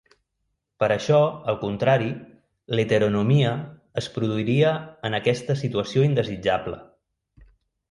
Per això, al contrari, l'heteronomia es produiria en aquesta situació indesitjable: